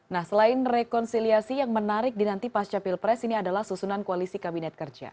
nah selain rekonsiliasi yang menarik dinanti pasca pilpres ini adalah susunan koalisi kabinet kerja